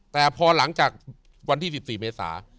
แต่พอหลังจากวันที่๑๔เมษา